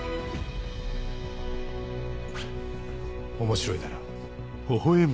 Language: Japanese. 面白いだろ？